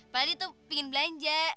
paling itu pingin belanja